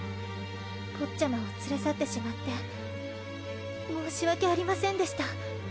ポッチャマを連れ去ってしまって申し訳ありませんでした。